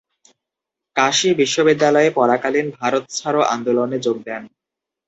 কাশী বিশ্ববিদ্যালয়ে পড়াকালীন ভারত ছাড়ো আন্দোলনে যোগ দেন।